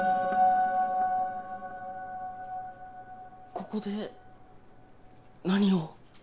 ここで何を？